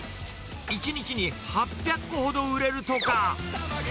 １日に８００個ほど売れるとか。